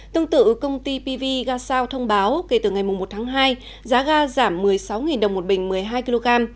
tương tự công ty pv gasal thông báo kể từ ngày một tháng hai giá ga giảm một mươi sáu đồng một bình một mươi hai kg